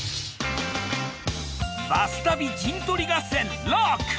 バス旅陣取り合戦ロック！